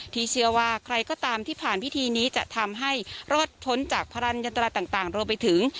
ที่เชื่อว่าใครก็ตามที่ผ่านพิธีนี้จะทำให้รอดพ้นจากพลังยันตราต่างรวมไปถึง